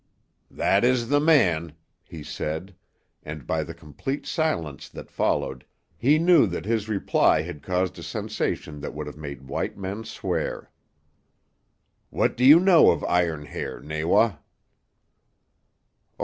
"That is the man," he said, and by the complete silence that followed he knew that his reply had caused a sensation that would have made white men swear. "What know you of Iron Hair, Nawa?"